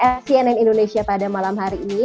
cnn indonesia pada malam hari ini